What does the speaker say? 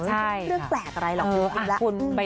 แล้วเรื่องแปลกอะไรหลอกดูกินละ